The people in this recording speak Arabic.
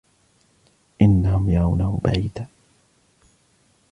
إِنَّهُمْ يَرَوْنَهُ بَعِيدًا